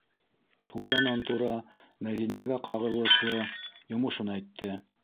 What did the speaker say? Туранан-тура Мәҙинәгә ҡағылышлы йомошон әйтте.